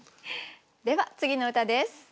では次の歌です。